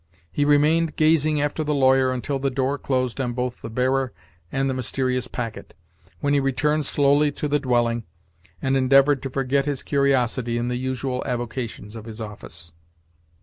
He remained gazing after the lawyer until the door closed on both the bearer and the mysterious packet, when he returned slowly to the dwelling, and endeavored to forget his curiosity in the usual avocations of his office.